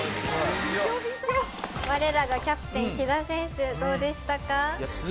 我らがキャプテン喜田選手どうでしたか？